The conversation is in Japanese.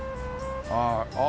ああ！